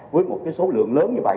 với một số lượng lớn như vậy